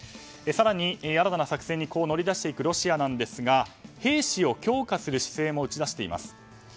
更に、新たな作戦に乗り出していくロシアですが兵士を強化する姿勢も打ち出しています。